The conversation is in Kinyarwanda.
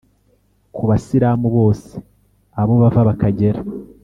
ku basilamu bose, abo bava bakagera